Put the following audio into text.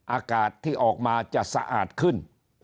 อากาศที่ออกมาจะสะอาดขึ้น